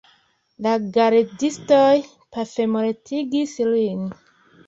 La gardistoj pafmortigis lin.